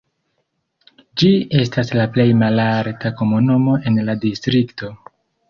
Ĝi estas la plej malalta komunumo en la distrikto.